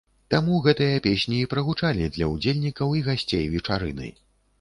Таму гэтыя песні і прагучалі для ўдзельнікаў і гасцей вечарыны.